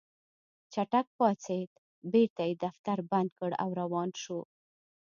چټک پاڅېد بېرته يې دفتر بند کړ او روان شو.